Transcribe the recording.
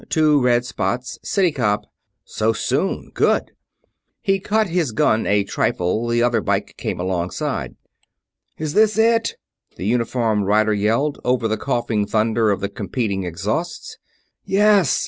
Two red spots city cop so soon good! He cut his gun a trifle, the other bike came alongside. "Is this IT?" the uniformed rider yelled, over the coughing thunder of the competing exhausts. "Yes!"